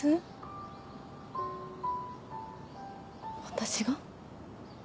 私が？